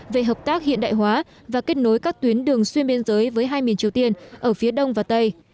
về hợp tác hiện đại hóa và kết nối các tuyến đường xuyên biên giới với hai miền triều tiên ở phía đông và tây